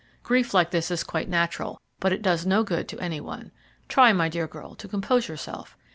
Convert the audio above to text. Grief like this is quite natural, but it does no good to any one. Try, my dear girl, to compose yourself.